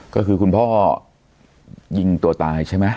ก็คือคุณพ่อยิงตัวตายใช่ไหม